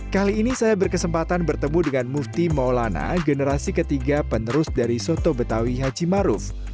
kali ini saya berkesempatan bertemu dengan mufti maulana generasi ketiga penerus dari soto betawi haji maruf